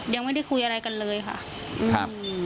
ยังไม่ได้คุยอะไรกันเลยค่ะอืม